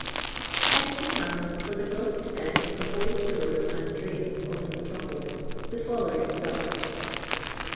Hence we have, for the gross extent of the whole sewers and dnuns of the metropolis, the following result, — MHes.